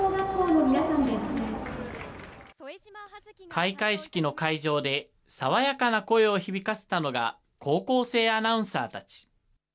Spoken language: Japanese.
開会式の会場で爽やかな声を響かせたのが、高校生アナウンサーたち。